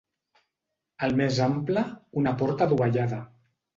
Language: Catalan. El més ample una porta adovellada.